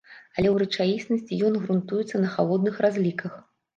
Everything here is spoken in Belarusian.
Але ў рэчаіснасці ён грунтуецца на халодных разліках.